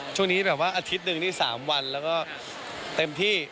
ช่วงนี้แบบว่าอาทิตย์หนึ่งนี่๓วันแล้วก็เต็มที่